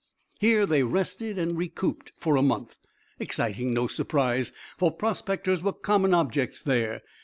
Here they rested and recouped for a month, exciting no surprise, for prospectors were common objects there.